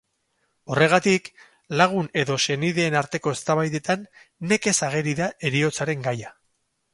Horregatik, lagun edo senideen arteko eztabaidetan nekez ageri da heriotzaren gaia.